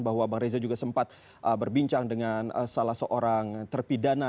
bahwa bang reza juga sempat berbincang dengan salah seorang terpidana